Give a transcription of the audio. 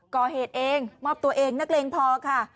ก่อเหตุเองมอบตัวเองนักเลงพอค่ะ